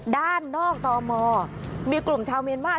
ด้านนอกตมมีกลุ่มชาวเมียนมาร์